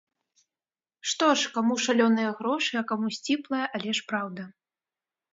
Што ж, каму шалёныя грошы, а каму сціплая, але ж праўда.